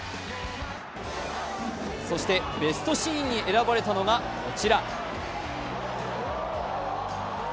そしてベストシーンに選ばれたのがこちら。